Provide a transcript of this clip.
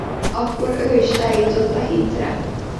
Akkor ő is eljutott a hitre.